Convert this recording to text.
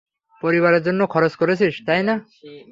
পরিবারের জন্য খরচ করেছিস, তাই না?